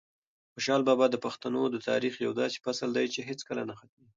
خوشحال بابا د پښتنو د تاریخ یو داسې فصل دی چې هیڅکله نه ختمېږي.